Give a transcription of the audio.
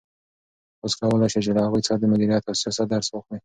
تاسو کولای شئ چې له هغوی څخه د مدیریت او سیاست درس واخلئ.